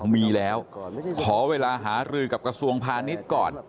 มีแล้วขอเวลาหารือกับกระทรวงพาณิชย์ก่อน